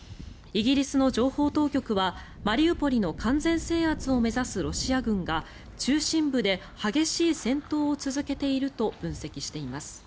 イギリスの情報当局はマリウポリの完全制圧を目指すロシア軍が中心部で激しい戦闘を続けていると分析しています。